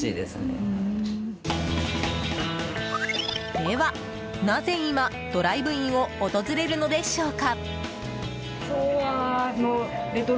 では、なぜ今ドライブインを訪れるのでしょうか。